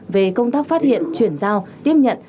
về công tác phát hiện chuyển giao tiếp nhận